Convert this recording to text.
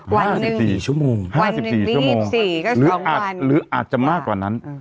ห้าสิบสี่ชั่วโมงห้าสิบสี่ชั่วโมงสี่หรืออาจหรืออาจจะมากกว่านั้น